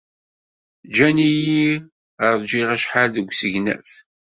Ǧǧan-iyi ṛjiɣ acḥal deg usegnaf.